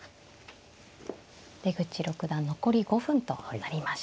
出口六段残り５分となりました。